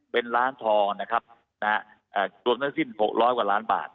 เป็นร้านทองนะครับรวมทั้งสิ้น๖๐๐กว่าล้านบาท